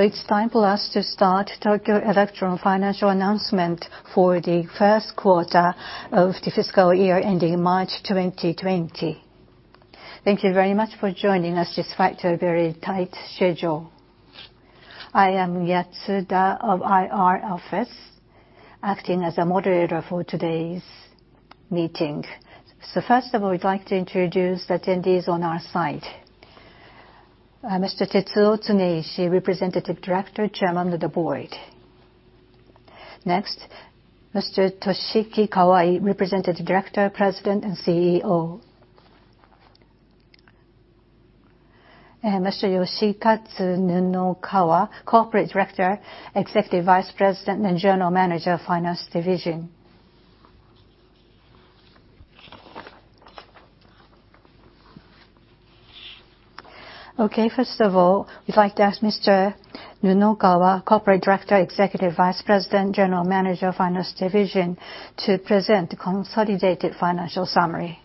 It's time for us to start Tokyo Electron financial announcement for the Q1 of the fiscal year ending March 2020. Thank you very much for joining us despite your very tight schedule. I am Yatsuda of IR Officer, acting as a moderator for today's meeting. First of all, we'd like to introduce attendees on our side. Mr. Tetsuo Tsuneishi, Representative Director, Chairman of the Board. Next, Mr. Toshiki Kawai, Representative Director, President and CEO. Mr. Yoshikazu Nunokawa, Corporate Director, Executive Vice President and General Manager of Finance Division. First of all, we'd like to ask Mr. Nunokawa, Corporate Director, Executive Vice President and General Manager of Finance Division, to present the consolidated financial summary.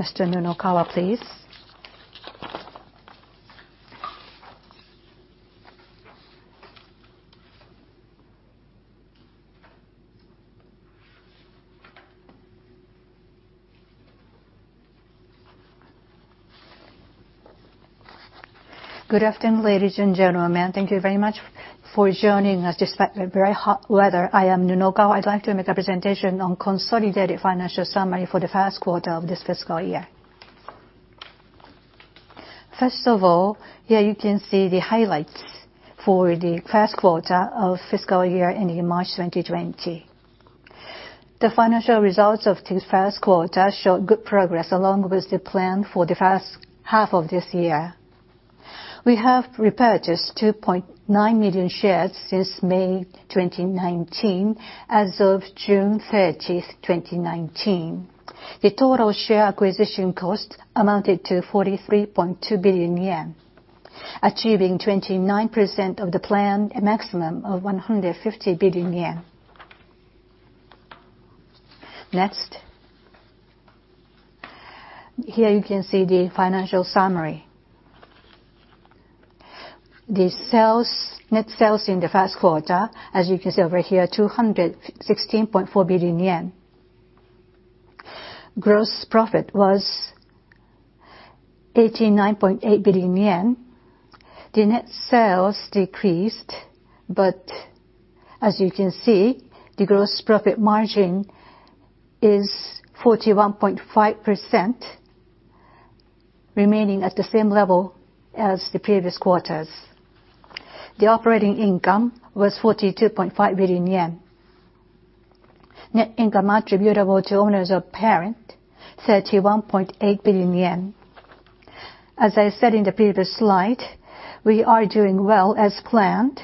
Mr. Nunokawa, please. Good afternoon, ladies and gentlemen. Thank you very much for joining us despite the very hot weather. I am Nunokawa. I'd like to make a presentation on consolidated financial summary for the Q1 of this fiscal year. First of all, here you can see the highlights for the Q1 of fiscal year ending March 2020. The financial results of the Q1 show good progress along with the plan for the H1 of this year. We have repurchased 2.9 million shares since May 2019, as of June 30th, 2019. The total share acquisition cost amounted to 43.2 billion yen, achieving 29% of the plan, a maximum of 150 billion yen. Next. Here you can see the financial summary. The net sales in the Q1, as you can see over here, 216.4 billion yen. Gross profit was 89.8 billion yen. The net sales decreased, but as you can see, the gross profit margin is 41.5%, remaining at the same level as the previous quarters. The operating income was 42.5 billion yen. Net income attributable to owners of parent, 31.8 billion yen. As I said in the previous slide, we are doing well as planned,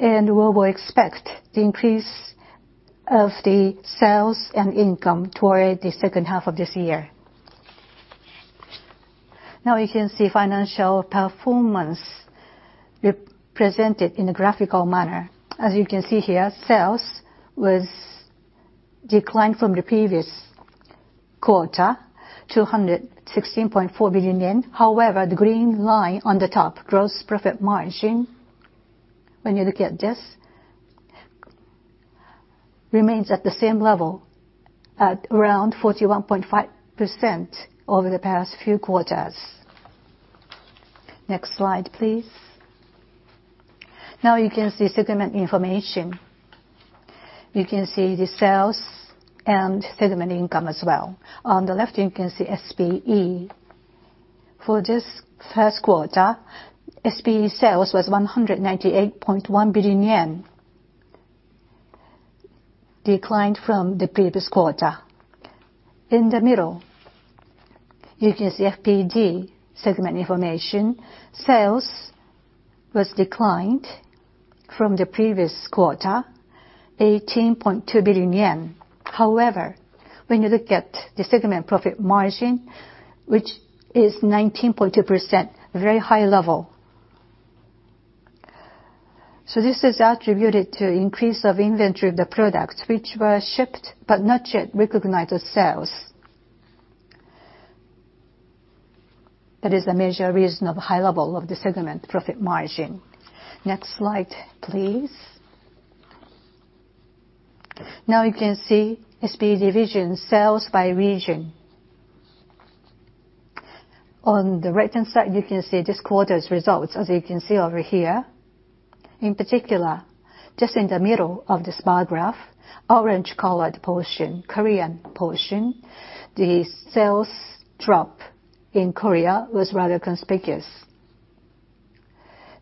and we will expect the increase of the sales and income toward the H2 of this year. Now you can see financial performance represented in a graphical manner. As you can see here, sales was declined from the previous quarter, 216.4 billion yen. However, the green line on the top, gross profit margin, when you look at this, remains at the same level at around 41.5% over the past few quarters. Next slide, please. Now you can see segment information. You can see the sales and segment income as well. On the left, you can see SPE. For this Q1, SPE sales was 198.1 billion yen, declined from the previous quarter. In the middle, you can see FPD segment information. Sales was declined from the previous quarter, 18.2 billion yen. However, when you look at the segment profit margin, which is 19.2%, very high level. This is attributed to increase of inventory of the products, which were shipped but not yet recognized as sales. That is the major reason of high level of the segment profit margin. Next slide, please. Now you can see SPE division sales by region. On the right-hand side, you can see this quarter's results, as you can see over here. In particular, just in the middle of this bar graph, orange-colored portion, Korean portion, the sales drop in Korea was rather conspicuous.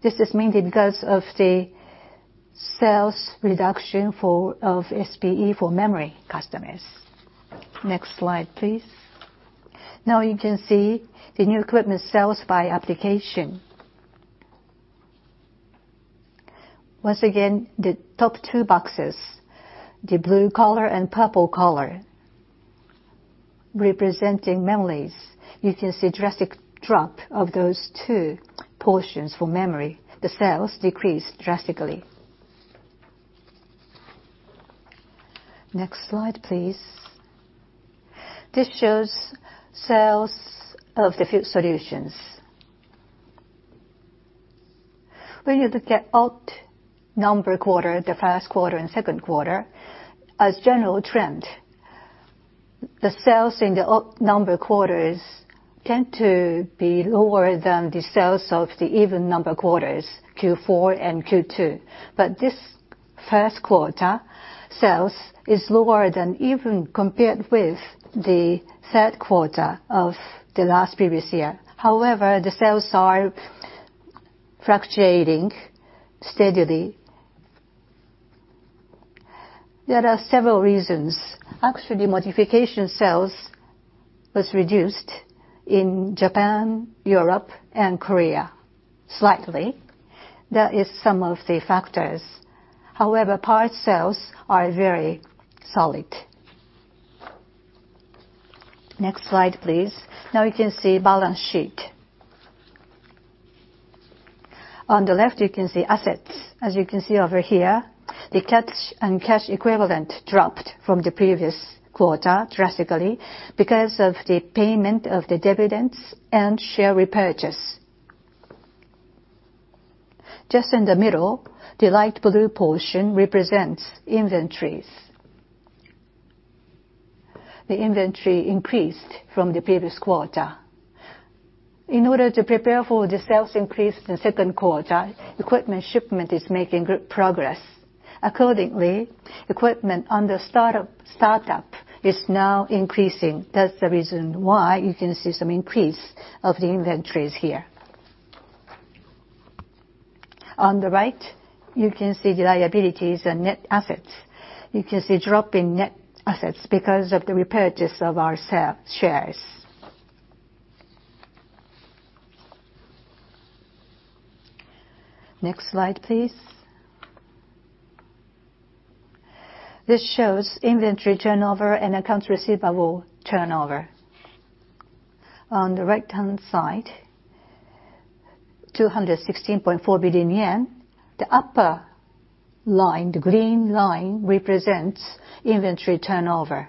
This is mainly because of the sales reduction of SPE for memory customers. Next slide, please. Now you can see the new equipment sales by application. Once again, the top two boxes, the blue color and purple color representing memories. You can see drastic drop of those two portions for memory. The sales decreased drastically. Next slide, please. This shows sales of the field solutions. You look at odd number quarter, the Q1 and Q2, as general trend, the sales in the odd number quarters tend to be lower than the sales of the even number quarters, Q4 and Q2. This Q1 sales is lower than even compared with the Q3 of the last previous year. The sales are fluctuating steadily. There are several reasons. Actually, modification sales was reduced in Japan, Europe, and Korea slightly. That is some of the factors. Parts sales are very solid. Next slide, please. Now you can see balance sheet. On the left, you can see assets. As you can see over here, the cash and cash equivalent dropped from the previous quarter drastically because of the payment of the dividends and share repurchase. Just in the middle, the light blue portion represents inventories. The inventory increased from the previous quarter. In order to prepare for the sales increase in the Q2, equipment shipment is making good progress. Accordingly, equipment under startup is now increasing. That's the reason why you can see some increase of the inventories here. On the right, you can see liabilities and net assets. You can see a drop in net assets because of the repurchase of our shares. Next slide, please. This shows inventory turnover and accounts receivable turnover. On the right-hand side, 216.4 billion yen. The upper line, the green line, represents inventory turnover,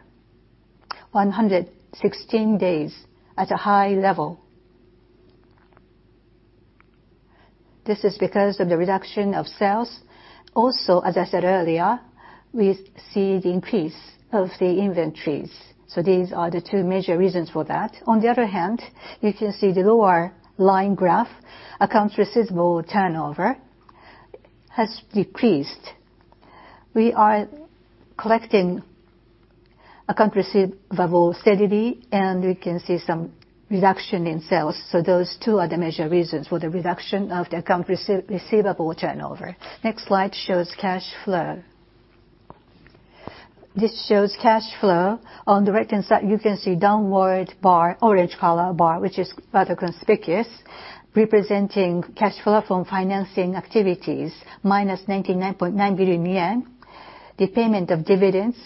116 days, at a high level. This is because of the reduction of sales. As I said earlier, we see the increase of the inventories. These are the two major reasons for that. On the other hand, you can see the lower line graph, accounts receivable turnover has decreased. We are collecting accounts receivable steadily, and we can see some reduction in sales. Those two are the major reasons for the reduction of the accounts receivable turnover. Next slide shows cash flow. This shows cash flow. On the right-hand side, you can see downward bar, orange color bar, which is rather conspicuous, representing cash flow from financing activities, minus 99.9 billion yen. The payment of dividends,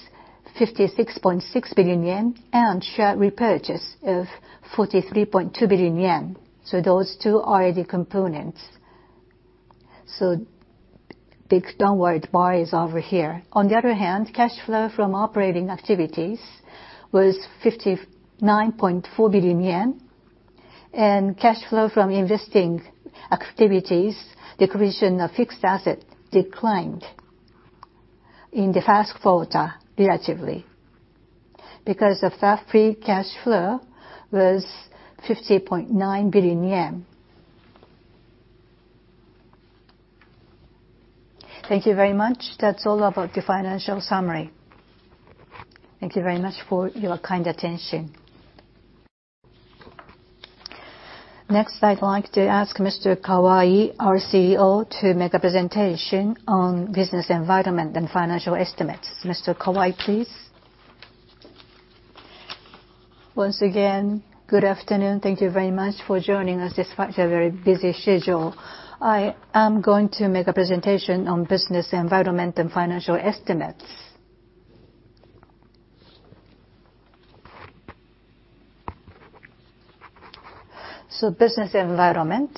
56.6 billion yen, and share repurchase of 43.2 billion yen. Those two are the components. Big downward bar is over here. On the other hand, cash flow from operating activities was 59.4 billion yen. Cash flow from investing activities, the creation of fixed asset declined in the Q1 relatively because of that free cash flow was JPY 50.9 billion. Thank you very much. That's all about the financial summary. Thank you very much for your kind attention. Next, I'd like to ask Mr. Kawai, our CEO, to make a presentation on business environment and financial estimates. Mr. Kawai, please. Once again, good afternoon. Thank you very much for joining us despite your very busy schedule. I am going to make a presentation on business environment and financial estimates. Business environment.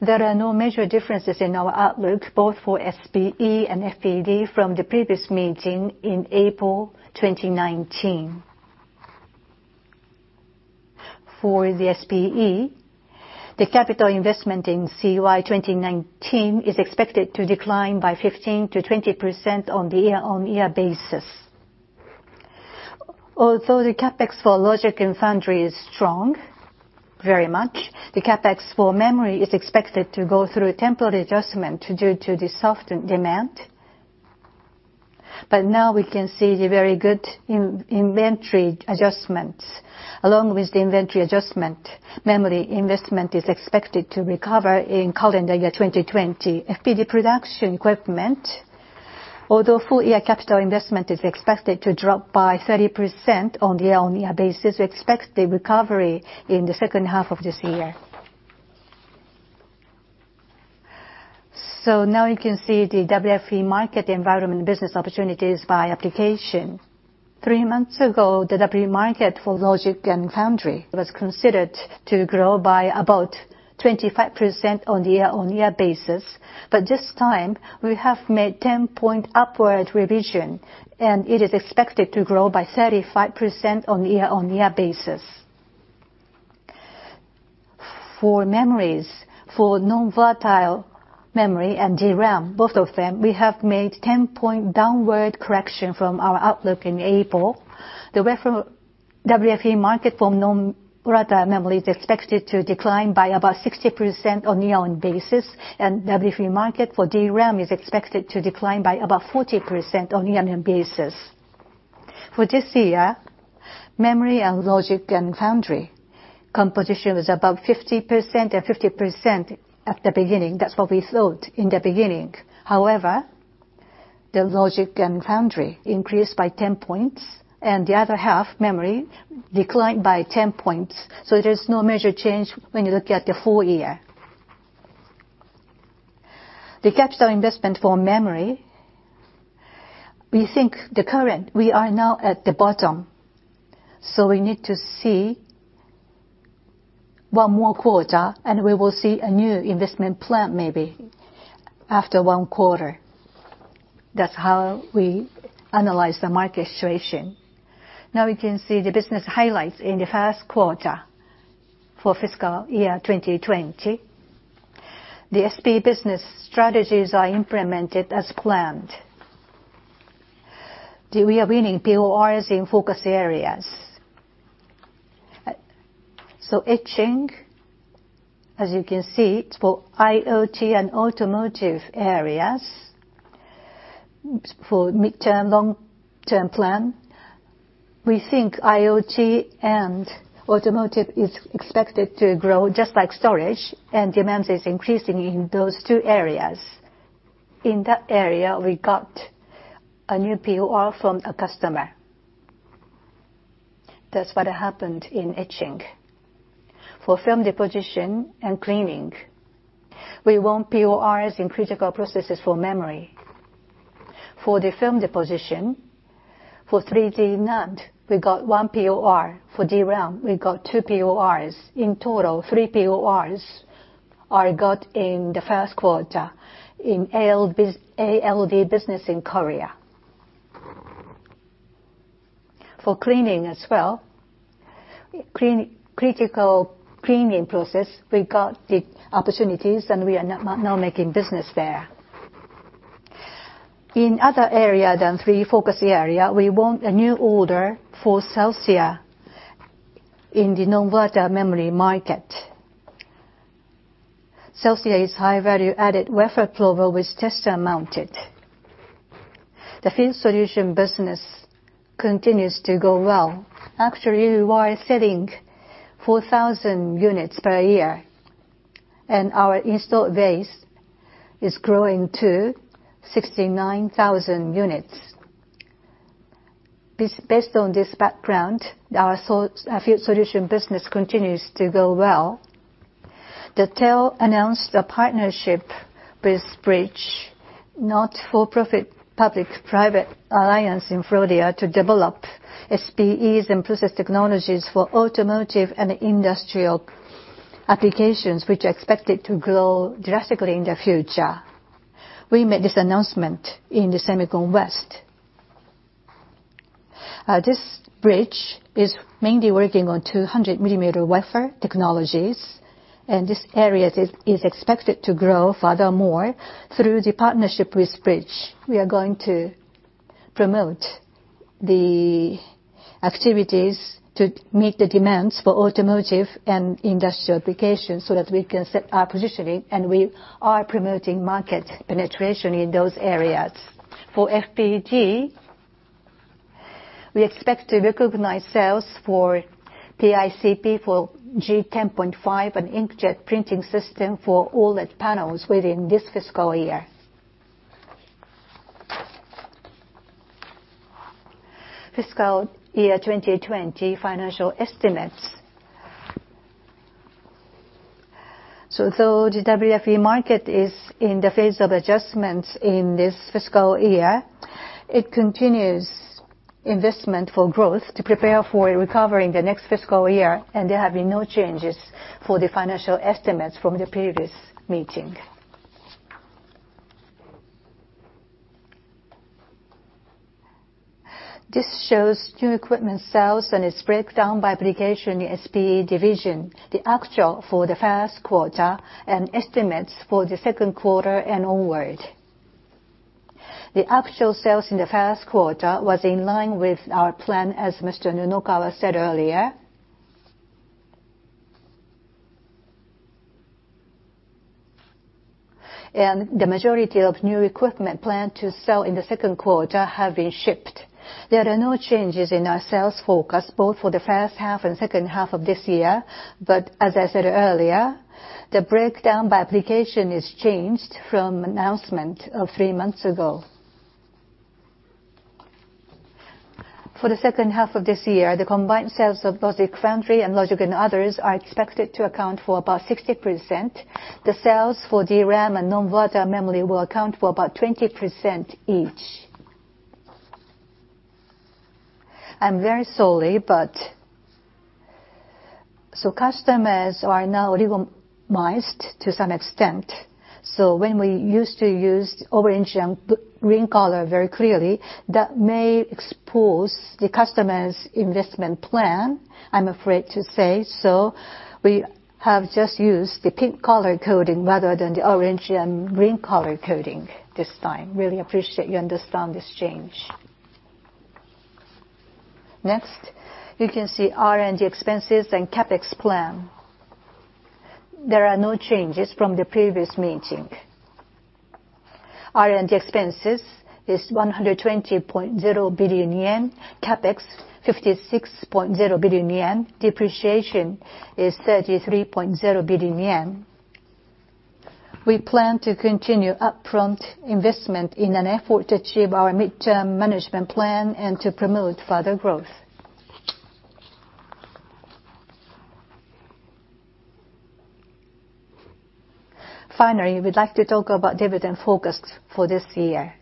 There are no major differences in our outlook, both for SPE and FPD from the previous meeting in April 2019. For the SPE, the capital investment in CY 2019 is expected to decline by 15%-20% on the year-on-year basis. Although the CapEx for logic and foundry is strong, very much, the CapEx for memory is expected to go through a temporary adjustment due to the softened demand. Now we can see the very good inventory adjustments. Along with the inventory adjustment, memory investment is expected to recover in calendar year 2020. FPD production equipment, although full year capital investment is expected to drop by 30% on the year-on-year basis, we expect the recovery in the H2 of this year. Now you can see the WFE market environment business opportunities by application. Three months ago, the WFE market for logic and foundry was considered to grow by about 25% on year-on-year basis. This time, we have made 10-point upward revision, and it is expected to grow by 35% on year-on-year basis. For memories, for non-volatile memory and DRAM, both of them, we have made 10-point downward correction from our outlook in April. The WFE market for non-volatile memory is expected to decline by about 60% on year-on-year basis, and WFE market for DRAM is expected to decline by about 40% on year-on-year basis. For this year, memory and logic and foundry composition was above 50% and 50% at the beginning. That's what we thought in the beginning. However, the logic and foundry increased by 10 points and the other half, memory, declined by 10 points. There is no major change when you look at the full year. The capital investment for memory, we think the current, we are now at the bottom. We need to see one more quarter and we will see a new investment plan, maybe after one quarter. That's how we analyze the market situation. Now you can see the business highlights in the Q1 for fiscal year 2020. The SPE business strategies are implemented as planned. We are winning PORs in focus areas. Etching, as you can see, it's for IoT and automotive areas. For mid-term, long-term plan, we think IoT and automotive is expected to grow just like storage, and demands is increasing in those two areas. In that area, we got a new POR from a customer. That's what happened in etching. For film deposition and cleaning, we won PORs in critical processes for memory. For the film deposition, for 3D NAND, we got one POR. For DRAM, we got two PORs. In total, three PORs are got in the Q1 in ALD business in Korea. For cleaning as well, critical cleaning process, we got the opportunities and we are now making business there. In other area than three focus area, we won a new order for CELLESTA in the non-volatile memory market. CELLESTA is high value added wafer probe with tester mounted. The field solution business continues to go well. Actually, we are selling 4,000 units per year, and our installed base is growing to 69,000 units. Based on this background, our field solution business continues to go well. The TEL announced a partnership with BRIDG, not-for-profit public-private semiconductor partnership in Florida to develop SPEs and process technologies for automotive and industrial applications, which are expected to grow drastically in the future. We made this announcement in the SEMICON West. This BRIDG is mainly working on 200-millimeter wafer technologies, and this area is expected to grow furthermore. Through the partnership with BRIDG, we are going to promote the activities to meet the demands for automotive and industrial applications so that we can set our positioning. We are promoting market penetration in those areas. For FPD, we expect to recognize sales for PICP for Gen 10.5 and inkjet printing system for OLED panels within this fiscal year. Fiscal year 2020 financial estimates. Though the WFE market is in the phase of adjustments in this fiscal year, it continues investment for growth to prepare for a recovery in the next fiscal year. There have been no changes for the financial estimates from the previous meeting. This shows new equipment sales and its breakdown by application in SPE division, the actual for the Q1, and estimates for the Q2 and onward. The actual sales in the Q1 was in line with our plan, as Mr. Nunokawa said earlier. The majority of new equipment planned to sell in the Q2 have been shipped. There are no changes in our sales forecast, both for the H1 and H2 of this year. As I said earlier, the breakdown by application is changed from announcement of three months ago. For the H2 of this year, the combined sales of both foundry and logic and others are expected to account for about 60%. The sales for DRAM and non-volatile memory will account for about 20% each. I'm very sorry, customers are now optimized to some extent. When we used to use orange and green color very clearly, that may expose the customer's investment plan, I'm afraid to say so. We have just used the pink color coding rather than the orange and green color coding this time. Really appreciate you understand this change. Next, you can see R&D expenses and CapEx plan. There are no changes from the previous meeting. R&D expenses is 120.0 billion yen, CapEx 56.0 billion yen, depreciation is 33.0 billion yen. We plan to continue upfront investment in an effort to achieve our midterm management plan and to promote further growth. We'd like to talk about dividend forecasts for this year.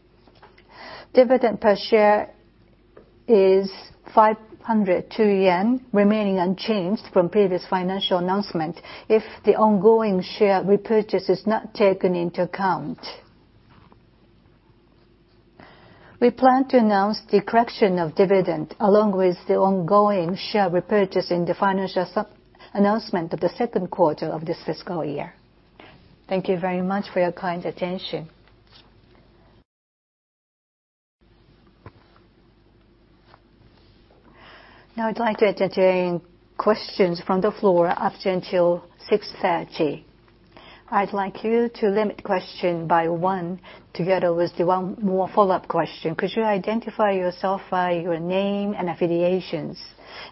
Dividend per share is 502 yen, remaining unchanged from previous financial announcement if the ongoing share repurchase is not taken into account. We plan to announce the correction of dividend along with the ongoing share repurchase in the financial announcement of the Q2 of this fiscal year. Thank you very much for your kind attention. Now I'd like to entertain questions from the floor up until 6:30. I'd like you to limit question by one, together with one more follow-up question. Could you identify yourself by your name and affiliations?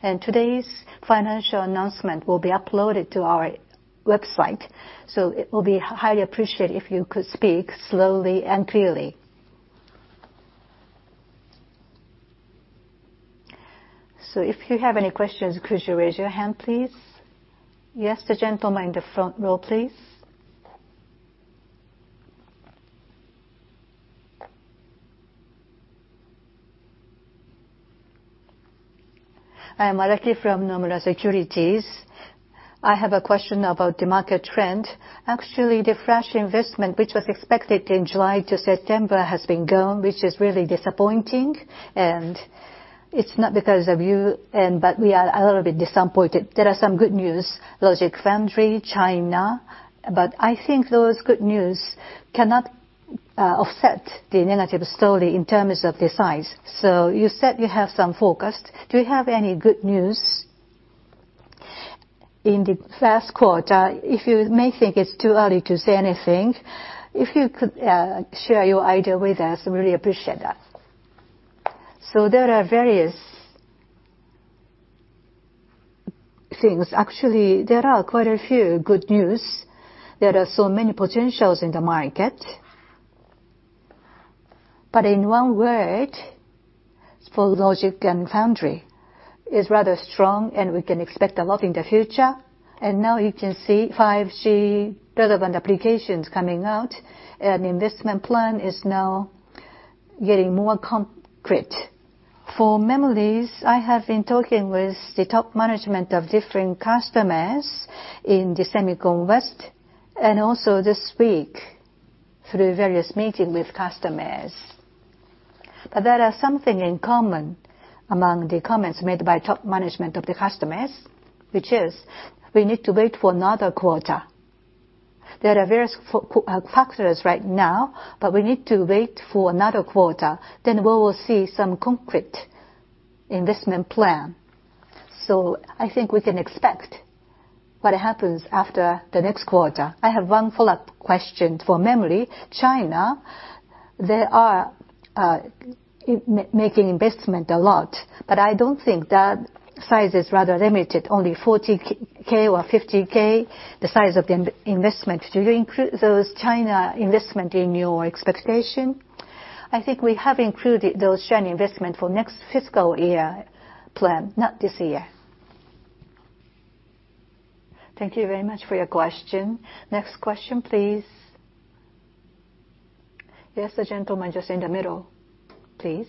Today's financial announcement will be uploaded to our website, so it will be highly appreciated if you could speak slowly and clearly. If you have any questions, could you raise your hand, please? Yes, the gentleman in the front row, please. I am Araki from Nomura Securities. I have a question about the market trend. Actually, the flash investment, which was expected in July to September, has been gone, which is really disappointing. It's not because of you, but we are a little bit disappointed. There are some good news, logic foundry, China, but I think those good news cannot offset the negative story in terms of the size. You said you have some forecast. Do you have any good news in the Q1? If you may think it's too early to say anything, if you could share your idea with us, really appreciate that. There are various things. Actually, there are quite a few good news. There are so many potentials in the market. In one word, for logic and foundry is rather strong, and we can expect a lot in the future. Now you can see 5G relevant applications coming out, and investment plan is now getting more concrete. For memories, I have been talking with the top management of different customers in the SEMICON West, and also this week through various meeting with customers. There are something in common among the comments made by top management of the customers, which is we need to wait for another quarter. There are various factors right now, but we need to wait for another quarter, then we will see some concrete investment plan. I think we can expect what happens after the next quarter. I have one follow-up question for memory. China, they are making investment a lot, but I don't think that size is rather limited, only 40K or 50K, the size of the investment. Do you include those China investment in your expectation? I think we have included those China investment for next fiscal year plan, not this year. Thank you very much for your question. Next question, please. Yes, the gentleman just in the middle, please.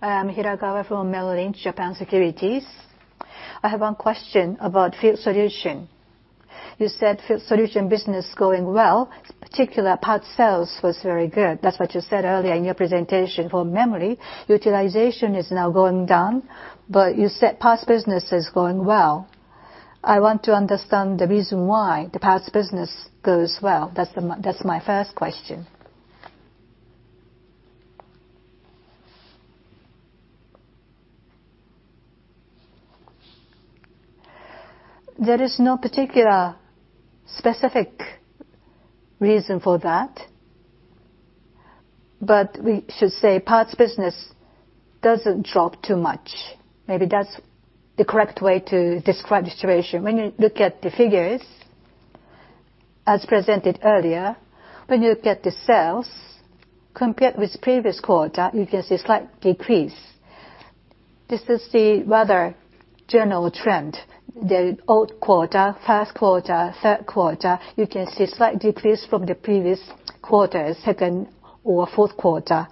I am Hirakawa from Merrill Lynch Japan Securities. I have one question about field solution. You said field solution business is going well, particular parts sales was very good. That's what you said earlier in your presentation. For memory, utilization is now going down, but you said parts business is going well. I want to understand the reason why the parts business goes well. That's my first question. There is no particular specific reason for that, but we should say parts business doesn't drop too much. Maybe that's the correct way to describe the situation. When you look at the figures, as presented earlier, when you look at the sales, compared with previous quarter, you can see a slight decrease. This is the rather general trend. The old quarter, Q1, Q3, you can see slight decrease from the previous quarters, second or Q4.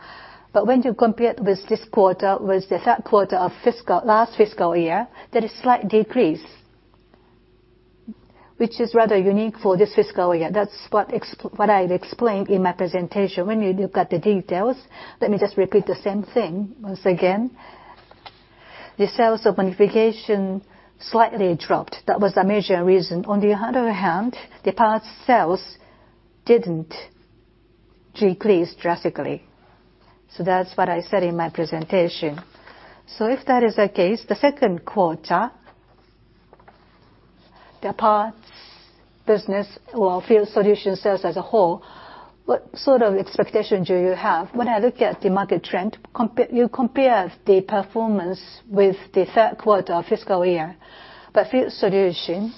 When you compare with this quarter, with the Q3 of last fiscal year, there is slight decrease, which is rather unique for this fiscal year. That's what I explained in my presentation. When you look at the details, let me just repeat the same thing once again. The sales of modification slightly dropped. That was the major reason. The parts sales didn't decrease drastically. That's what I said in my presentation. If that is the case, the Q2, the parts business or field solution sales as a whole, what sort of expectations do you have? When I look at the market trend, you compare the performance with the Q3 fiscal year. Field solution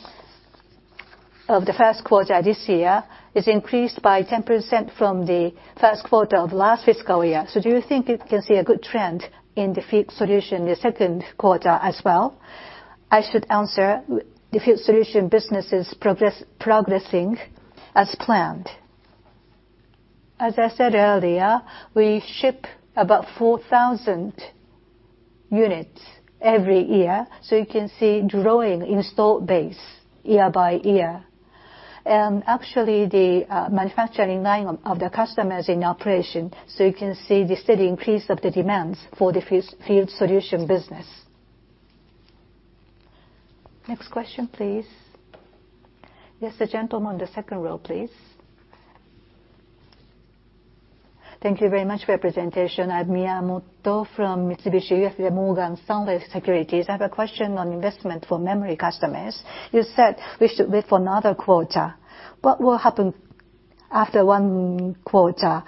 of the Q1 this year is increased by 10% from the Q1 of last fiscal year. Do you think it can see a good trend in the field solution in the Q2 as well? I should answer, the field solution business is progressing as planned. As I said earlier, we ship about 4,000 units every year, so you can see growing install base year by year. Actually, the manufacturing line of the customer is in operation, so you can see the steady increase of the demands for the field solution business. Next question, please. Yes, the gentleman on the second row, please. Thank you very much for your presentation. I'm Miyamoto from Mitsubishi UFJ Morgan Stanley Securities. I have a question on investment for memory customers. You said we should wait for another quarter. What will happen after one quarter?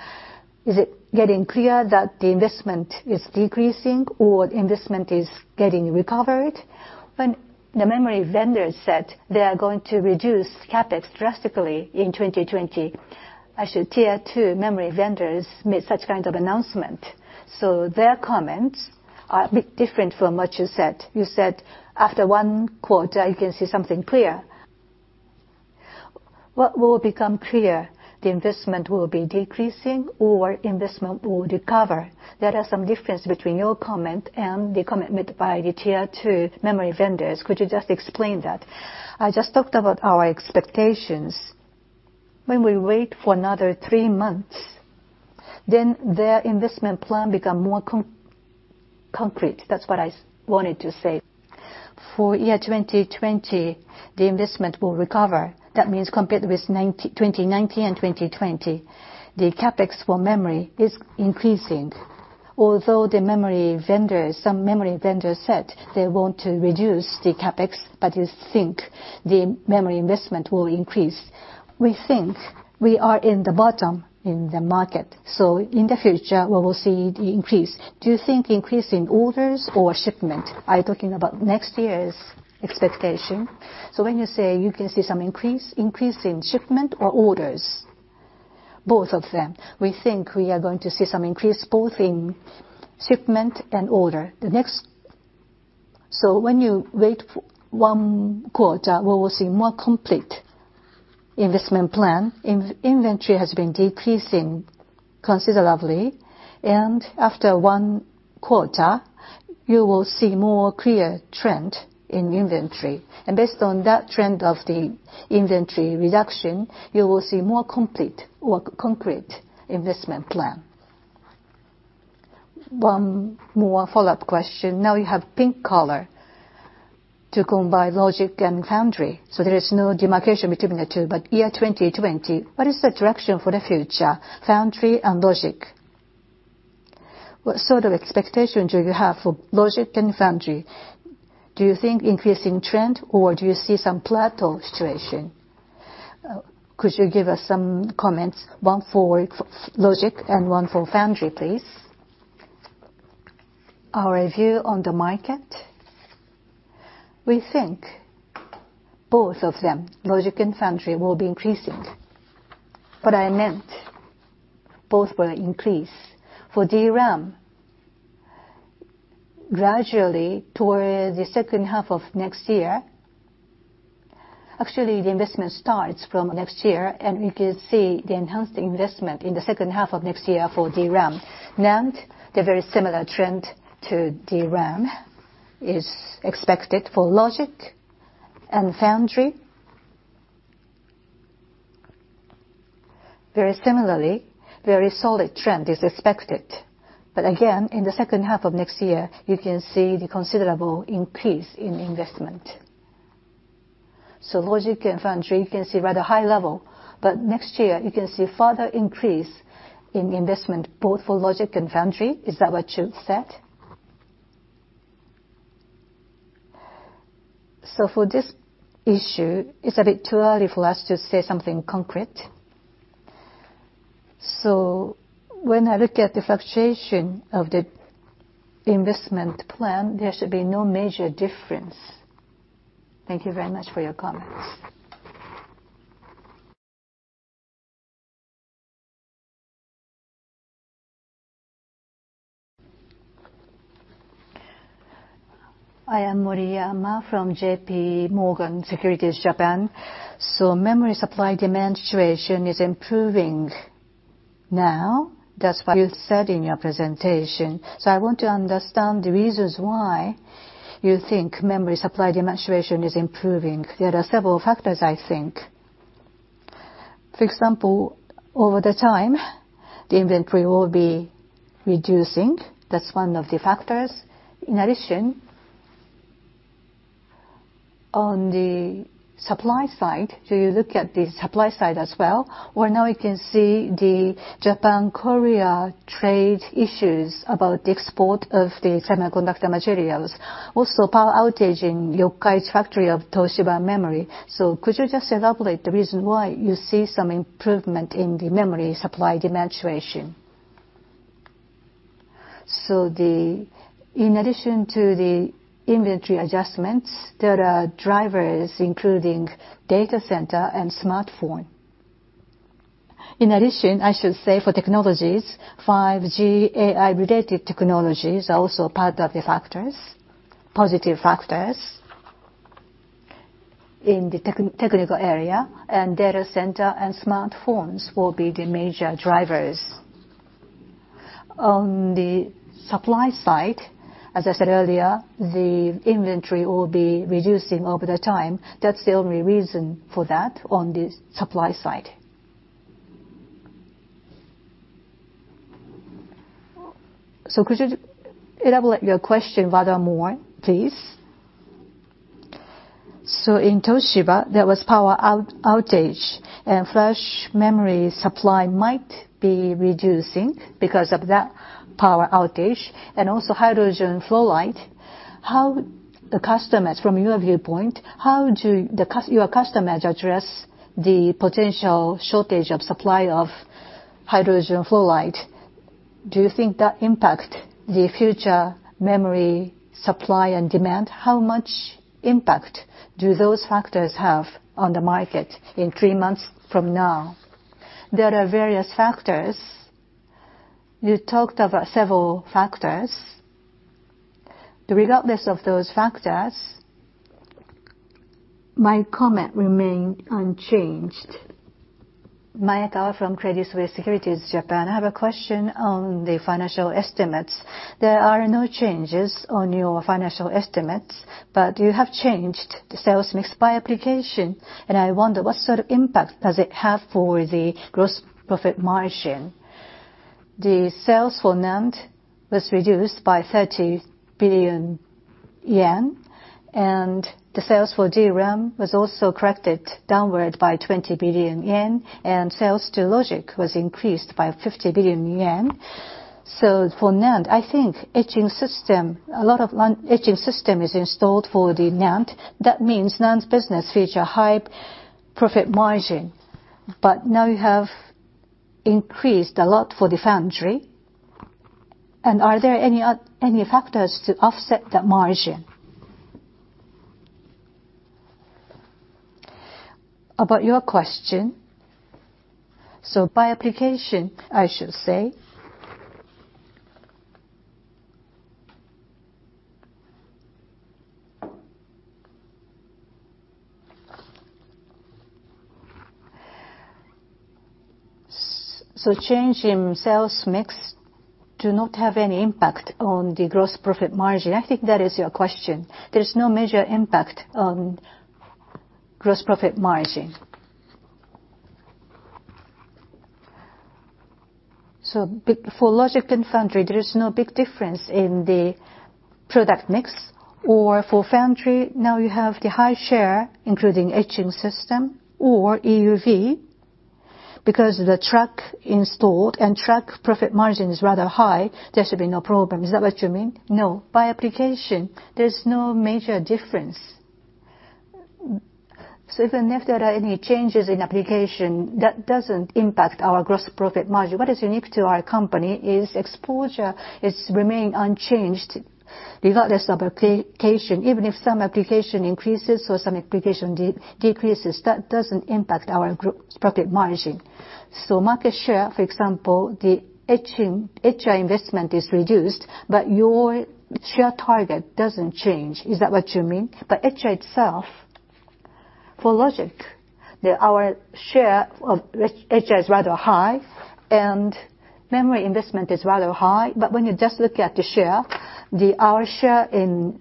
Is it getting clear that the investment is decreasing or investment is getting recovered? When the memory vendors said they are going to reduce CapEx drastically in 2020, Tier 1 memory vendors made such kind of announcement. Their comments are a bit different from what you said. You said after one quarter, you can see something clear. What will become clear? The investment will be decreasing or investment will recover? There are some difference between your comment and the comment made by the Tier 1 memory vendors. Could you just explain that? I just talked about our expectations. When we wait for another three months, then their investment plan become more concrete. That's what I wanted to say. For year 2020, the investment will recover. That means compared with 2019 and 2020, the CapEx for memory is increasing. Although some memory vendors said they want to reduce the CapEx, but we think the memory investment will increase. We think we are in the bottom in the market, so in the future, we will see the increase. Do you think increase in orders or shipment? Are you talking about next year's expectation? When you say you can see some increase in shipment or orders? Both of them. We think we are going to see some increase both in shipment and order. When you wait for one quarter, we will see more complete investment plan. Inventory has been decreasing considerably, and after one quarter, you will see more clear trend in inventory. Based on that trend of the inventory reduction, you will see more concrete investment plan. One more follow-up question. Now you have pink color to combine logic and foundry, so there is no demarcation between the two. Year 2020, what is the direction for the future, foundry and logic? What sort of expectations do you have for logic and foundry? Do you think increasing trend or do you see some plateau situation? Could you give us some comments, one for logic and one for foundry, please? Our view on the market, we think both of them, logic and foundry, will be increasing. For NAND, both will increase. For DRAM, gradually towards the H2 of next year. Actually, the investment starts from next year, and we can see the enhanced investment in the H2 of next year for DRAM. NAND, the very similar trend to DRAM is expected. For logic and foundry, very similarly, very solid trend is expected. Again, in the H2 of next year, you can see the considerable increase in investment. Logic and foundry, you can see rather high level. Next year you can see further increase in investment both for logic and foundry. Is that what you said? For this issue, it's a bit too early for us to say something concrete. When I look at the fluctuation of the investment plan, there should be no major difference. Thank you very much for your comments. I am Moriyama from J.P. Morgan Securities Japan. Memory supply-demand situation is improving now. That's what you said in your presentation. I want to understand the reasons why you think memory supply-demand situation is improving. There are several factors, I think. For example, over the time, the inventory will be reducing. That's one of the factors. In addition, on the supply side, if you look at the supply side as well, where now we can see the Japan-Korea trade issues about the export of the semiconductor materials. Also power outage in Yokkaichi factory of Toshiba Memory. Could you just elaborate the reason why you see some improvement in the memory supply demand situation? In addition to the inventory adjustments, there are drivers, including data center and smartphone. In addition, I should say for technologies, 5G AI-related technologies are also part of the factors, positive factors in the technical area, and data center and smartphones will be the major drivers. On the supply side, as I said earlier, the inventory will be reducing over the time. That's the only reason for that on the supply side. Could you elaborate your question furthermore, please? In Toshiba Memory, there was power outage, and flash memory supply might be reducing because of that power outage, and also hydrogen fluoride. How the customers, from your viewpoint, how do your customers address the potential shortage of supply of hydrogen fluoride? Do you think that impact the future memory supply and demand? How much impact do those factors have on the market in three months from now? There are various factors. You talked about several factors. Regardless of those factors, my comment remain unchanged. Maeda from Credit Suisse Securities Japan. I have a question on the financial estimates. There are no changes on your financial estimates, you have changed the sales mix by application, and I wonder what sort of impact does it have for the gross profit margin? The sales for NAND was reduced by 30 billion yen, the sales for DRAM was also corrected downward by 20 billion yen, sales to Logic was increased by 50 billion yen. For NAND, I think etching system, a lot of etching system is installed for the NAND. That means NAND's business feature high profit margin. Now you have increased a lot for the foundry. Are there any factors to offset that margin? About your question, by application, I should say. \ Change in sales mix do not have any impact on the gross profit margin. I think that is your question. There's no major impact on gross profit margin. For Logic and Foundry, there is no big difference in the product mix. For Foundry, now you have the high share, including etching system or EUV. Because the track installed and track profit margin is rather high, there should be no problem. Is that what you mean? No. By application, there's no major difference. Even if there are any changes in application, that doesn't impact our gross profit margin. What is unique to our company is exposure is remaining unchanged regardless of application. Even if some application increases or some application decreases, that doesn't impact our group's profit margin. Market share, for example, the etcher investment is reduced, but your share target doesn't change. Is that what you mean? The etcher itself, for Logic, our share of etcher is rather high, and Memory investment is rather high. When you just look at the share, our share in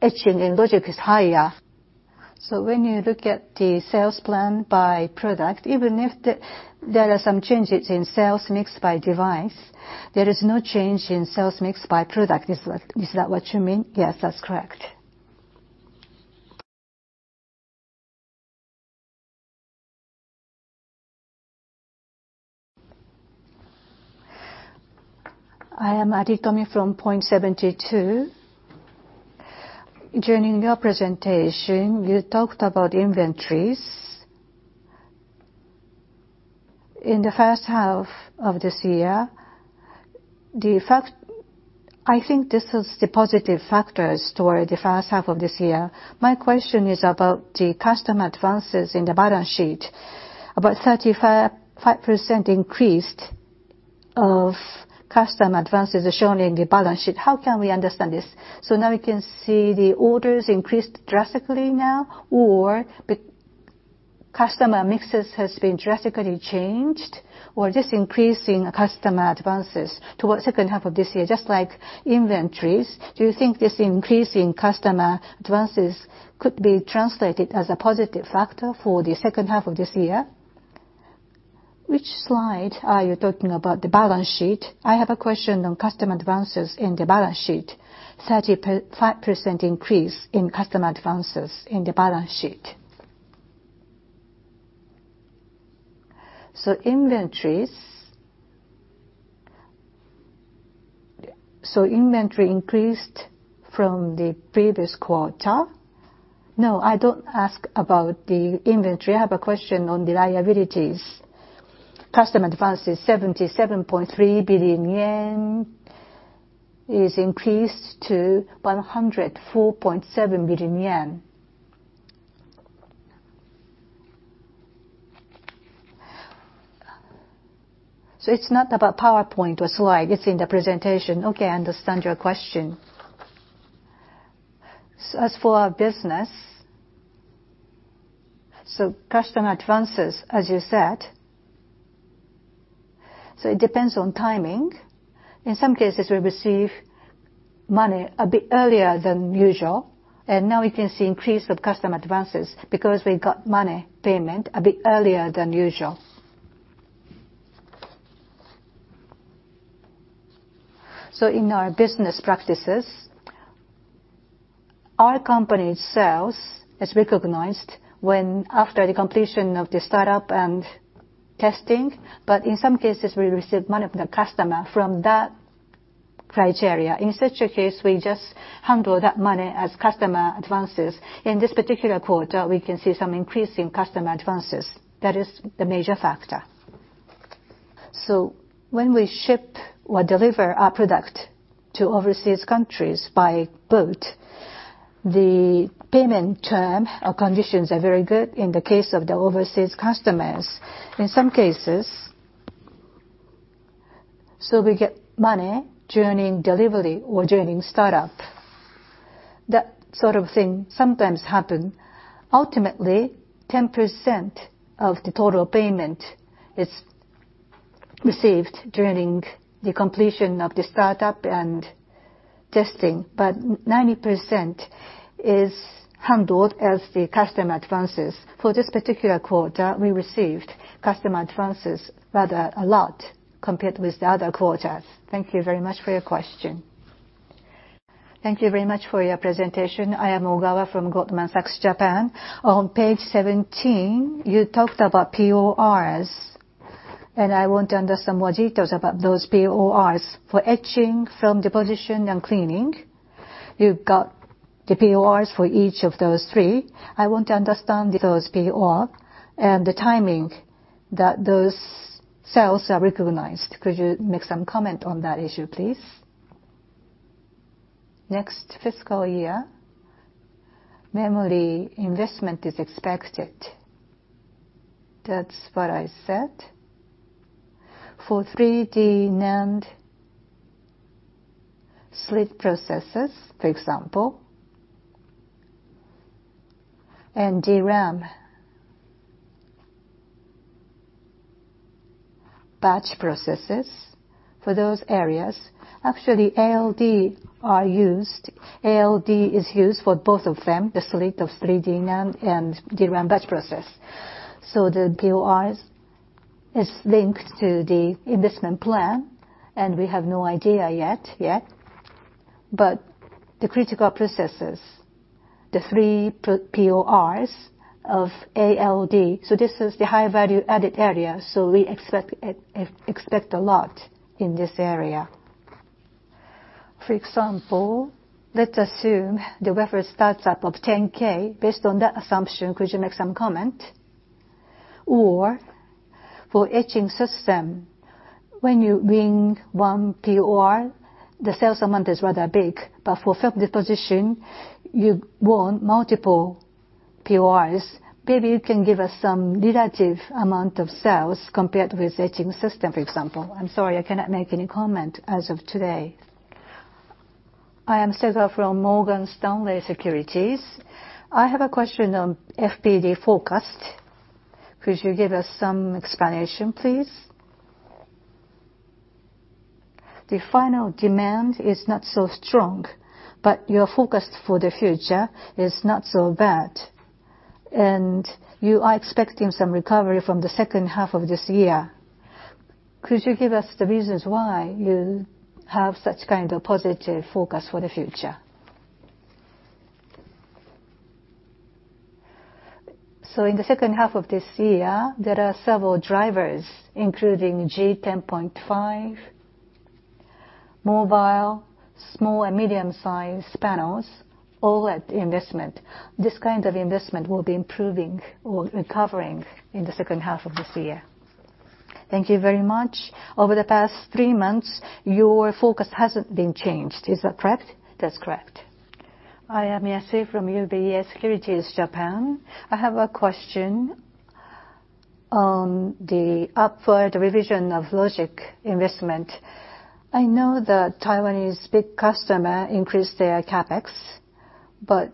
etching in Logic is higher. When you look at the sales plan by product, even if there are some changes in sales mix by device, there is no change in sales mix by product. Is that what you mean? Yes, that's correct. I am Aditomi from Point72. During your presentation, you talked about inventories. In the H1 of this year I think this is the positive factors toward the H1 of this year. My question is about the customer advances in the balance sheet. About 35% increased of customer advances are shown in the balance sheet. How can we understand this? Now we can see the orders increased drastically now, or customer mixes has been drastically changed? This increase in customer advances towards H2 of this year, just like inventories, do you think this increase in customer advances could be translated as a positive factor for the H2 of this year? Which slide are you talking about the balance sheet? I have a question on customer advances in the balance sheet. 35% increase in customer advances in the balance sheet. Inventory increased from the previous quarter. No, I don't ask about the inventory. I have a question on the liabilities. Customer advances, 77.3 billion yen is increased to 104.7 billion yen. It's not about PowerPoint or slide. It's in the presentation. Okay, I understand your question. As for our business, so customer advances, as you said, so it depends on timing. Now we can see increase of customer advances because we got money payment a bit earlier than usual. In our business practices, our company's sales is recognized when after the completion of the startup and testing, but in some cases, we receive money from the customer from that criteria. In such a case, we just handle that money as customer advances. In this particular quarter, we can see some increase in customer advances. That is the major factor. When we ship or deliver our product to overseas countries by boat, the payment term or conditions are very good in the case of the overseas customers. In some cases, we get money during delivery or during startup. That sort of thing sometimes happen. Ultimately, 10% of the total payment is received during the completion of the startup and testing, but 90% is handled as the customer advances. For this particular quarter, we received customer advances rather a lot compared with the other quarters. Thank you very much for your question. Thank you very much for your presentation. I am Ogawa from Goldman Sachs, Japan. On page 17, you talked about PORs, and I want to understand more details about those PORs. For etching, film deposition, and cleaning, you've got the PORs for each of those three. I want to understand those POR and the timing that those sales are recognized. Could you make some comment on that issue, please? Next fiscal year, memory investment is expected. That's what I said. For 3D NAND slit processes, for example, and DRAM batch processes for those areas, actually, ALD are used. ALD is used for both of them, the slit of 3D NAND and DRAM batch process. The POR is linked to the investment plan, and we have no idea yet. The critical processes, the three PORs of ALD, so this is the high value added area, so we expect a lot in this area. For example, let's assume the wafer starts at above 10K. Based on that assumption, could you make some comment? For etching system, when you win one POR, the sales amount is rather big. For film deposition, you won multiple PORs. Maybe you can give us some relative amount of sales compared with etching system, for example. I'm sorry. I cannot make any comment as of today. I am Sega from Morgan Stanley Securities. I have a question on FPD forecast. Could you give us some explanation, please? The final demand is not so strong, but your forecast for the future is not so bad, and you are expecting some recovery from the H2 of this year. Could you give us the reasons why you have such kind of positive forecast for the future? In the H2 of this year, there are several drivers, including G10.5, mobile, small and medium-sized panels, OLED investment, this kind of investment will be improving or recovering in the H2 of this year. Thank you very much. Over the past three months, your focus hasn't been changed. Is that correct? That's correct. I am Yasui from UBS Securities Japan. I have a question on the upward revision of logic investment. I know that Taiwanese big customer increased their CapEx, but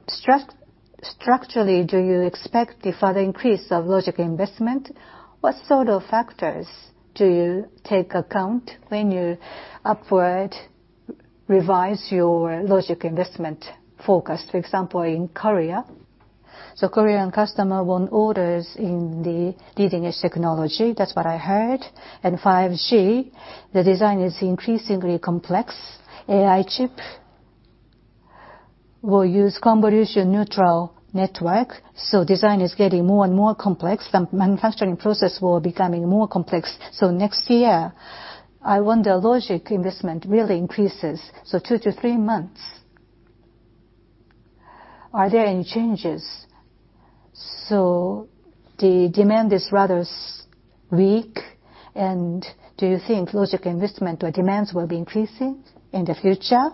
structurally, do you expect a further increase of logic investment? What sort of factors do you take account when you upward revise your logic investment forecast? For example, in Korea, Korean customer won orders in the leading-edge technology, that's what I heard. In 5G, the design is increasingly complex. AI chip will use convolutional neural network, design is getting more and more complex. The manufacturing process will become more complex. Next year, I wonder logic investment really increases, two to three months. Are there any changes? The demand is rather weak, do you think logic investment or demands will be increasing in the future?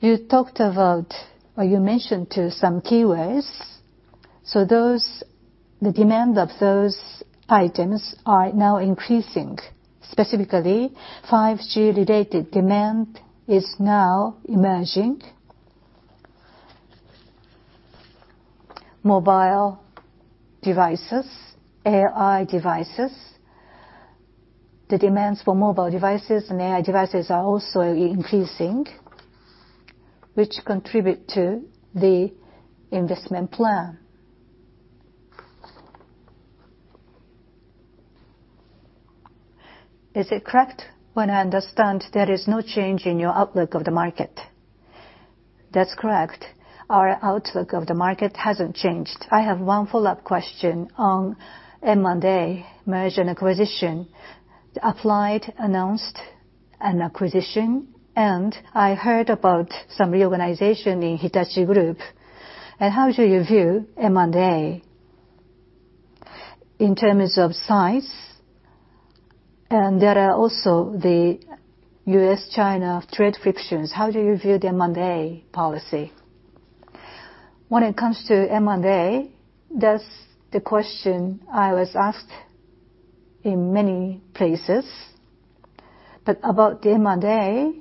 You talked about or you mentioned to some key ways. Those, the demand of those items are now increasing. Specifically, 5G-related demand is now emerging. Mobile devices, AI devices. The demands for mobile devices and AI devices are also increasing, which contribute to the investment plan. Is it correct when I understand there is no change in your outlook of the market? That's correct. Our outlook of the market hasn't changed. I have one follow-up question on M&A, merge and acquisition. Applied announced an acquisition, and I heard about some reorganization in Hitachi Group. How do you view M&A? In terms of size. There are also the U.S.-China trade frictions. How do you view the M&A policy? When it comes to M&A, that's the question I was asked in many places. About the M&A,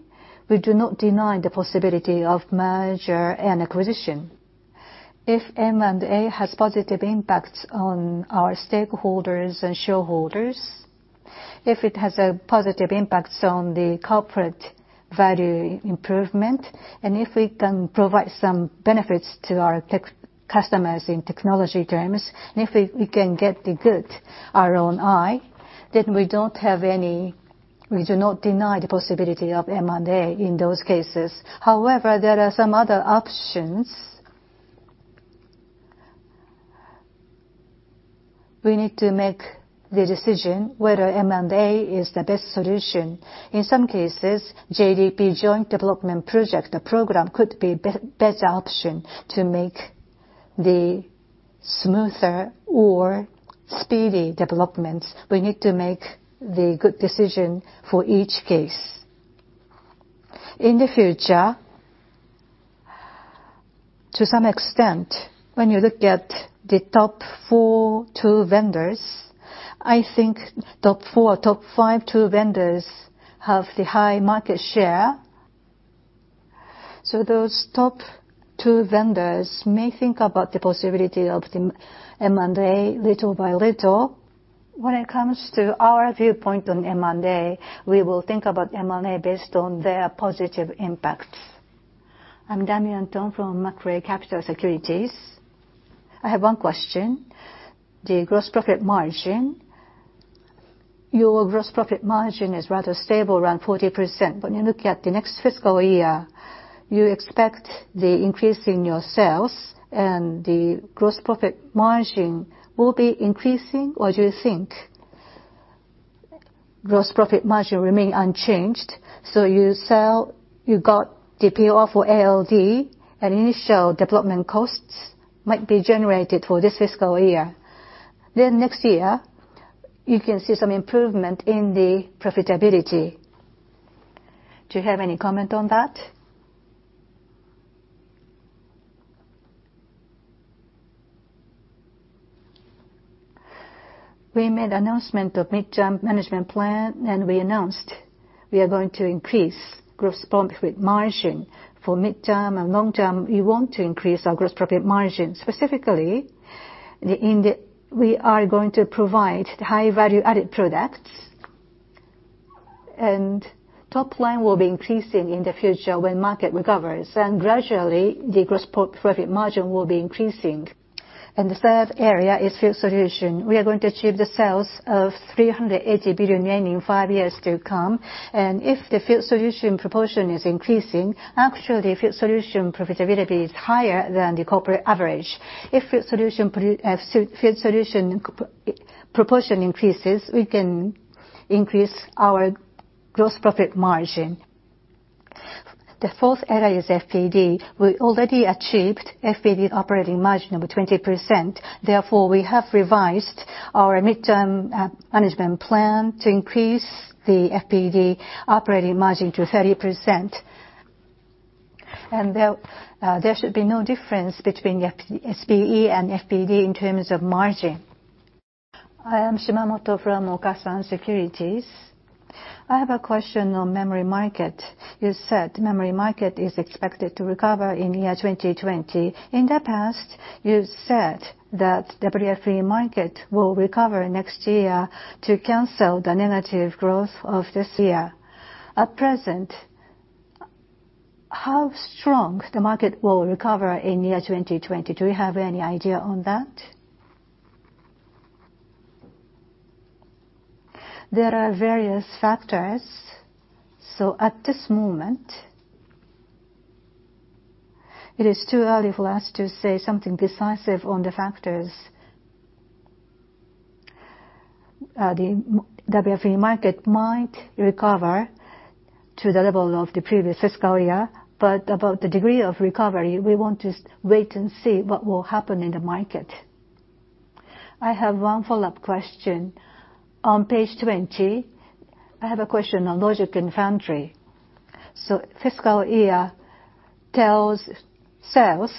we do not deny the possibility of merger and acquisition. If M&A has positive impacts on our stakeholders and shareholders, if it has a positive impacts on the corporate value improvement, and if we can provide some benefits to our tech customers in technology terms, and if we can get the good ROI, then we do not deny the possibility of M&A in those cases. However, there are some other options. We need to make the decision whether M&A is the best solution. In some cases, JDP, joint development project or program, could be better option to make the smoother or speedy developments. We need to make the good decision for each case. In the future, to some extent, when you look at the top four tool vendors, I think top four, top five tool vendors have the high market share. Those top 2 vendors may think about the possibility of the M&A little by little. When it comes to our viewpoint on M&A, we will think about M&A based on their positive impacts. I'm Damian Thong from Macquarie Capital Securities. I have one question. The gross profit margin. Your gross profit margin is rather stable, around 40%, you look at the next fiscal year, you expect the increase in your sales and the gross profit margin will be increasing, or do you think gross profit margin remain unchanged? You sell, you got POR for ALD, initial development costs might be generated for this fiscal year. Next year, you can see some improvement in the profitability. Do you have any comment on that? We made announcement of midterm management plan, we announced we are going to increase gross profit margin. For midterm and long term, we want to increase our gross profit margin. Specifically, we are going to provide high-value-added products, top line will be increasing in the future when market recovers. Gradually, the gross profit margin will be increasing. The third area is field solution. We are going to achieve the sales of 380 billion yen in five years to come, if the field solution proportion is increasing, actually, field solution profitability is higher than the corporate average. If field solution proportion increases, we can increase our gross profit margin. The fourth area is FPD. We already achieved FPD operating margin over 20%, therefore, we have revised our midterm management plan to increase the FPD operating margin to 30%. There should be no difference between SPE and FPD in terms of margin. I am Shimamoto from Okasan Securities. I have a question on memory market. You said memory market is expected to recover in 2020. In the past, you said that WFE market will recover next year to cancel the negative growth of this year. At present, how strong the market will recover in 2020? Do you have any idea on that? There are various factors. At this moment, it is too early for us to say something decisive on the factors. The WFE market might recover to the level of the previous fiscal year, but about the degree of recovery, we want to wait and see what will happen in the market. I have one follow-up question. On page 20, I have a question on logic and foundry. Fiscal year TEL's sales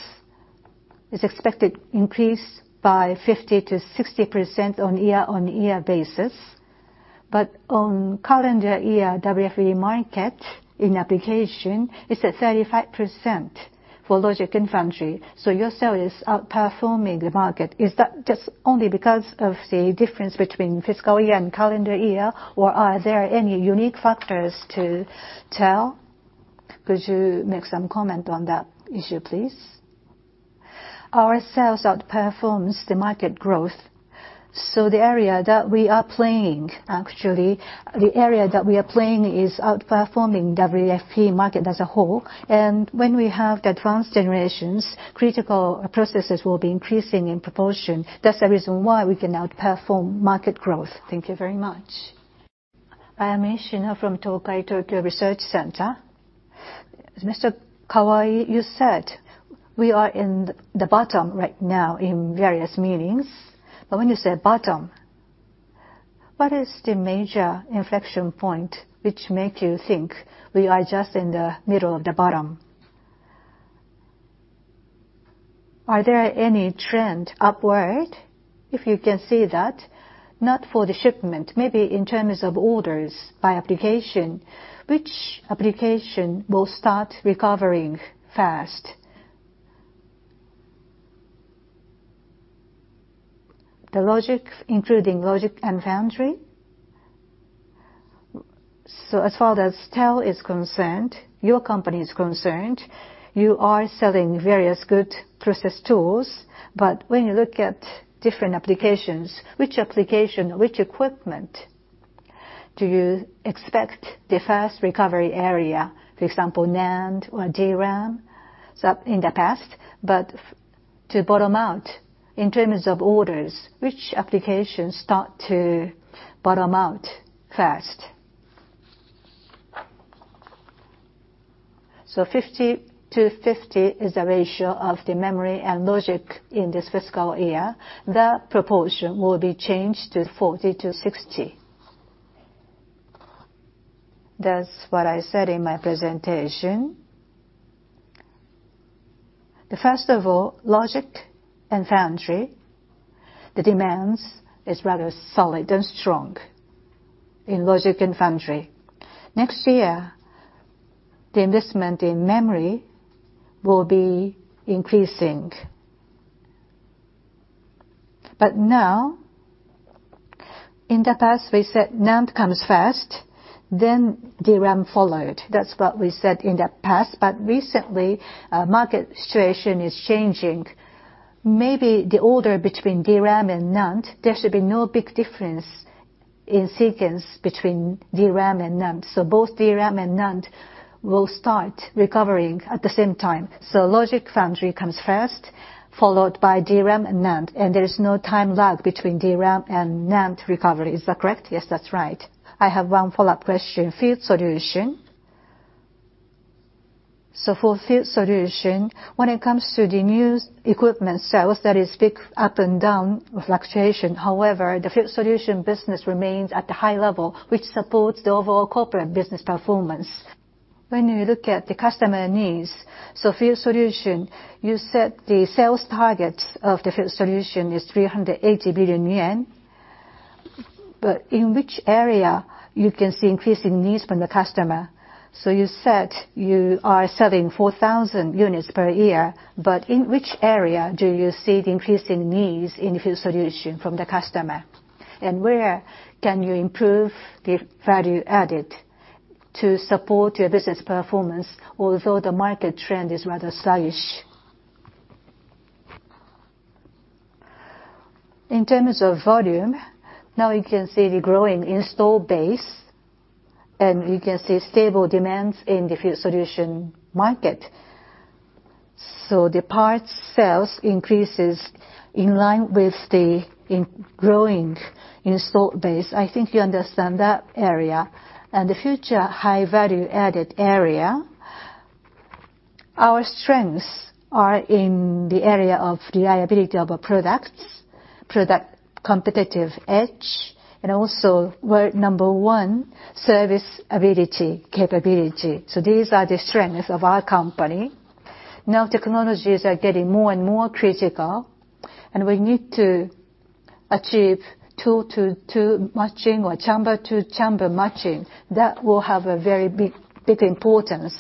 is expected increase by 50% to 60% on year-on-year basis. On calendar year WFE market, in application, it's at 35% for logic and foundry. Your sale is outperforming the market. Is that just only because of the difference between fiscal year and calendar year, or are there any unique factors to TEL? Could you make some comment on that issue, please? Our sales outperforms the market growth. The area that we are playing, actually, is outperforming WFE market as a whole. When we have the advanced generations, critical processes will be increasing in proportion. That's the reason why we can outperform market growth. Thank you very much. I am Ishino from Tokai Tokyo Research Center. Mr. Kawai, you said we are in the bottom right now in various meetings. When you say bottom, what is the major inflection point which make you think we are just in the middle of the bottom? Are there any trend upward, if you can say that? Not for the shipment, maybe in terms of orders by application. Which application will start recovering first? The logic, including logic and foundry? As far as TEL is concerned, your company is concerned, you are selling various good process tools. When you look at different applications, which application, which equipment do you expect the first recovery area? For example, NAND or DRAM? In the past, but to bottom out in terms of orders, which applications start to bottom out first? 50 to 50 is the ratio of the memory and logic in this fiscal year. That proportion will be changed to 40 to 60. That's what I said in my presentation. First of all, logic and foundry, the demands is rather solid and strong in logic and foundry. Next year, the investment in memory will be increasing. Now, in the past, we said NAND comes first, then DRAM followed. That's what we said in the past, recently, market situation is changing. Maybe the order between DRAM and NAND, there should be no big difference in sequence between DRAM and NAND. Both DRAM and NAND will start recovering at the same time. Logic foundry comes first, followed by DRAM and NAND, and there is no time lag between DRAM and NAND recovery. Is that correct? Yes, that's right. I have one follow-up question. Field solution. For field solution, when it comes to the new equipment sales, that is big up and down fluctuation. However, the field solution business remains at the high level, which supports the overall corporate business performance. When you look at the customer needs, field solution, you set the sales target of the field solution is 380 billion yen. In which area you can see increasing needs from the customer? You said you are selling 4,000 units per year, in which area do you see the increasing needs in field solution from the customer? Where can you improve the value added to support your business performance, although the market trend is rather sluggish? In terms of volume, now you can see the growing install base, and you can see stable demands in the field solution market. The parts sales increases in line with the growing install base. I think you understand that area. The future high value-added area, our strengths are in the area of reliability of our products, product competitive edge, and also world number one service ability capability. These are the strengths of our company. Now, technologies are getting more and more critical, we need to achieve tool-to-tool matching or chamber-to-chamber matching. That will have a very big importance.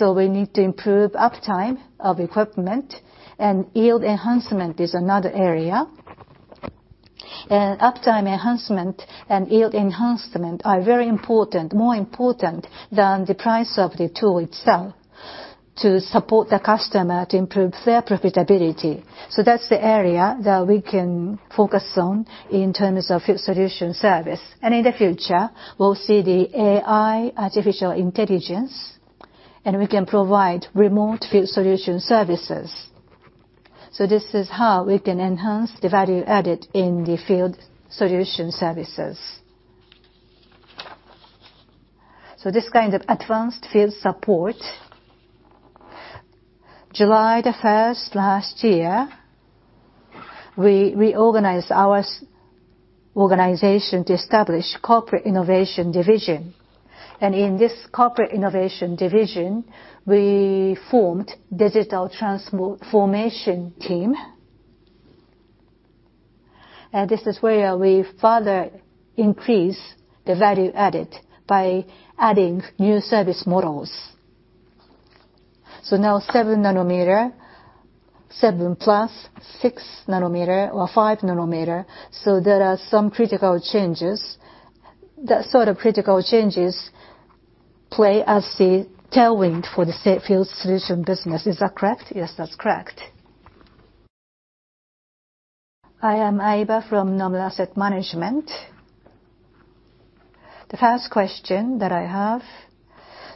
We need to improve uptime of equipment, and yield enhancement is another area. Uptime enhancement and yield enhancement are very important, more important than the price of the tool itself, to support the customer to improve their profitability. That's the area that we can focus on in terms of field solution service. In the future, we'll see the AI, artificial intelligence, and we can provide remote field solution services. This is how we can enhance the value added in the field solution services. This kind of advanced field support. July 1st last year, we reorganized our organization to establish Corporate Innovation Division. In this Corporate Innovation Division, we formed digital transformation team. This is where we further increase the value added by adding new service models. Now 7 nanometer, 7 plus 6 nanometer or 5 nanometer, there are some critical changes. That sort of critical changes play as the tailwind for the field solution business. Is that correct? Yes, that's correct. I am Aiba from Nomura Asset Management. The first question that I have,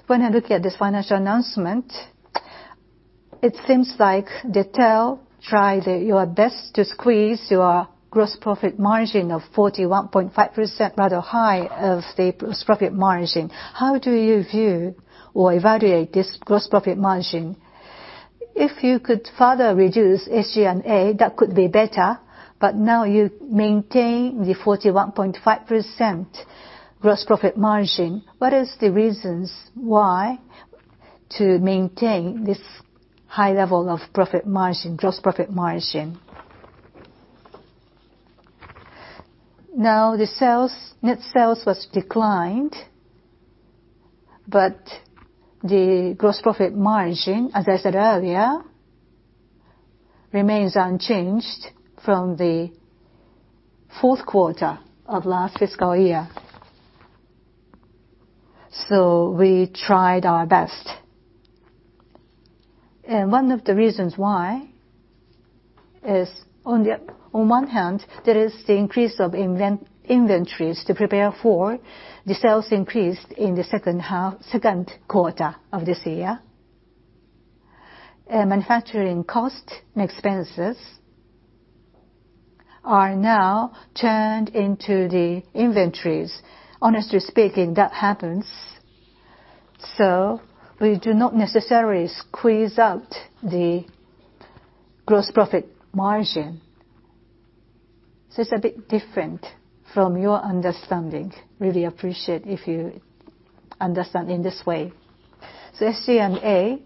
when I look at this financial announcement, it seems like TEL tried your best to squeeze your gross profit margin of 41.5%, rather high of the gross profit margin. How do you view or evaluate this gross profit margin? If you could further reduce SG&A, that could be better, but now you maintain the 41.5% gross profit margin. What is the reasons why to maintain this high level of profit margin, gross profit margin? The net sales was declined, but the gross profit margin, as I said earlier, remains unchanged from the Q4 of last fiscal year. We tried our best. One of the reasons why is, on one hand, there is the increase of inventories to prepare for the sales increase in the Q2 of this year. Manufacturing cost and expenses are now turned into the inventories. Honestly speaking, that happens. We do not necessarily squeeze out the gross profit margin. It's a bit different from your understanding. Really appreciate if you understand in this way. SG&A,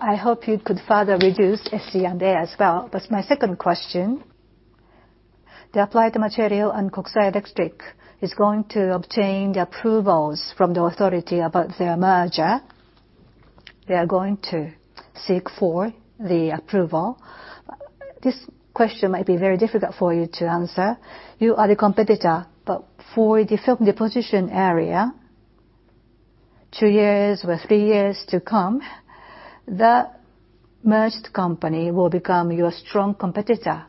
I hope you could further reduce SG&A as well. That's my second question. The Applied Materials and Kokusai Electric is going to obtain the approvals from the authority about their merger. They are going to seek for the approval. This question might be very difficult for you to answer. You are the competitor, but for the deposition area, two years or three years to come, the merged company will become your strong competitor.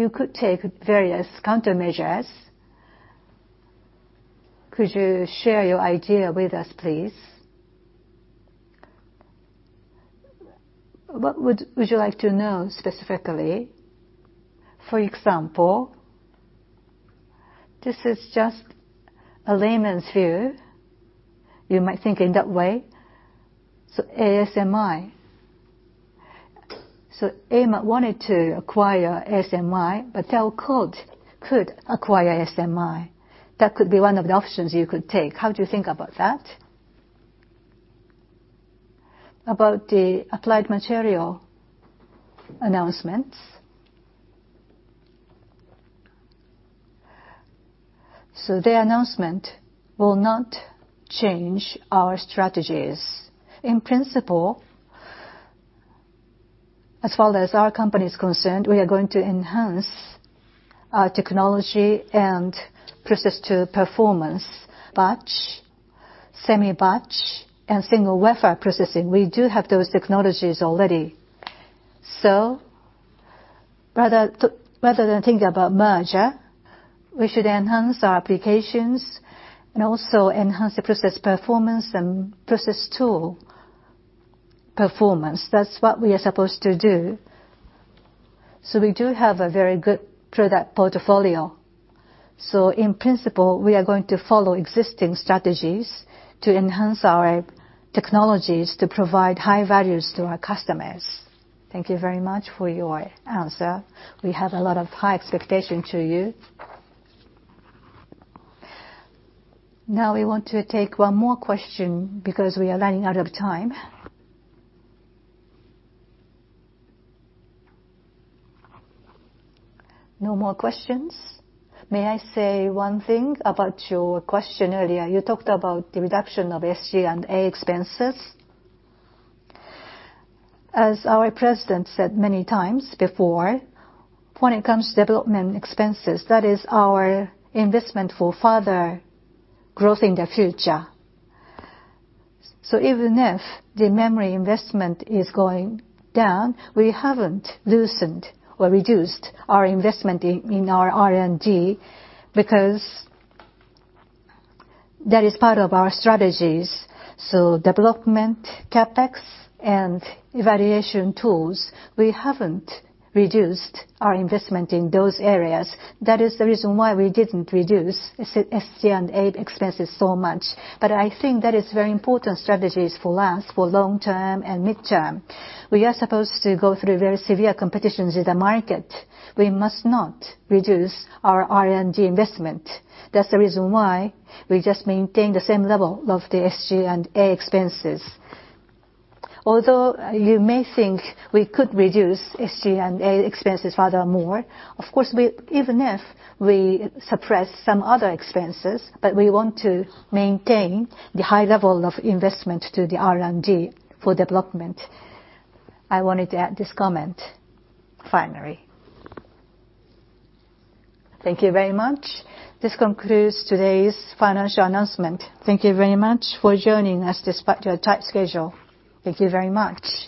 You could take various countermeasures. Could you share your idea with us, please? What would you like to know specifically? For example, this is just a layman's view. You might think in that way. ASMI. AM wanted to acquire ASMI, but they could acquire ASMI. That could be one of the options you could take. How do you think about that? About the Applied Materials announcements. Their announcement will not change our strategies. In principle, as far as our company is concerned, we are going to enhance our technology and process to performance, batch, semi-batch, and single wafer processing. We do have those technologies already. Rather than think about merger, we should enhance our applications and also enhance the process performance and process tool performance. That's what we are supposed to do. We do have a very good product portfolio. In principle, we are going to follow existing strategies to enhance our technologies to provide high values to our customers. Thank you very much for your answer. We have a lot of high expectation to you. We want to take one more question, because we are running out of time. No more questions? May I say one thing about your question earlier, you talked about the reduction of SG&A expenses. As our president said many times before, when it comes to development expenses, that is our investment for further growth in the future. Even if the memory investment is going down, we haven't loosened or reduced our investment in our R&D, because that is part of our strategies. Development, CapEx, and evaluation tools, we haven't reduced our investment in those areas. That is the reason why we didn't reduce SG&A expenses so much. I think that is very important strategies for us for long term and midterm. We are supposed to go through very severe competition in the market. We must not reduce our R&D investment. That's the reason why we just maintain the same level of the SG&A expenses. Although you may think we could reduce SG&A expenses furthermore, of course, even if we suppress some other expenses, but we want to maintain the high level of investment to the R&D for development. I wanted to add this comment finally. Thank you very much. This concludes today's financial announcement. Thank you very much for joining us despite your tight schedule. Thank you very much.